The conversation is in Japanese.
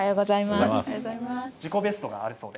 自己ベストがあるそうで。